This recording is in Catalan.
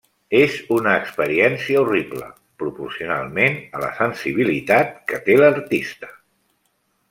És una experiència horrible, proporcionalment a la sensibilitat que té l’artista.